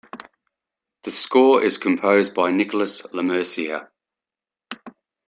The score is composed by Nicolas Lemercier.